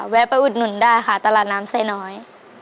ไปอุดหนุนได้ค่ะตลาดน้ำไซน้อย